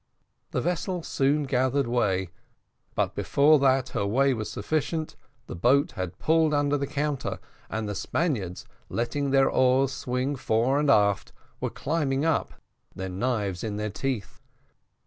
The vessel soon gathered way, but before that her way was sufficient, the boat had pulled under the counter, and the Spaniards, letting their oars swing fore and aft, were climbing up, their knives in their teeth.